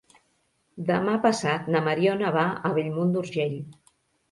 Demà passat na Mariona va a Bellmunt d'Urgell.